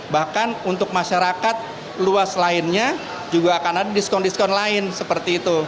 bahkan untuk masyarakat luas lainnya juga akan ada diskon diskon lain seperti itu